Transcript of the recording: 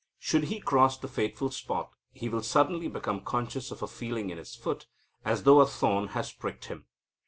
Should he cross the fateful spot, he will suddenly become conscious of a feeling in his foot, as though a thorn had pricked him.